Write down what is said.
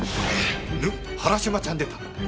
ぬ原島ちゃん出た。